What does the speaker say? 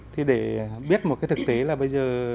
thì để biết một cái thực tế là bây giờ